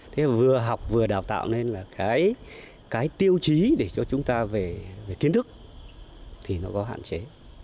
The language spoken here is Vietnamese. thế vừa học vừa đào tạo nên là cái tiêu chí để cho chúng ta về kiến thức thì nó có hạn chế